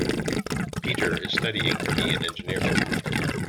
Peter is studying to be an engineer.